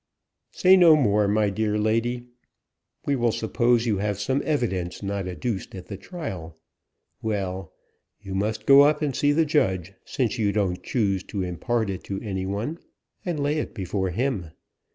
"Say no more, my dear lady. We will suppose you have some evidence not adduced at the trial. Well; you must go up and see the judge, since you don't choose to impart it to any one, and lay it before him.